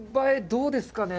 どうですかね？